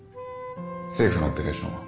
政府のオペレーションは？